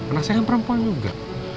anak saya yang perempuan juga